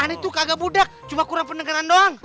ani tuh kagak budak cuma kurang pendekanan doang